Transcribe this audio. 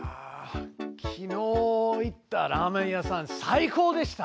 昨日行ったラーメン屋さん最高でした！